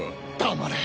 黙れ！